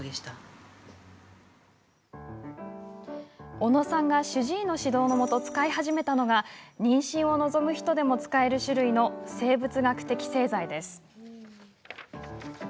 小野さんが主治医の指導のもと使い始めたのが妊娠を望む人でも使える種類の生物学的製剤です。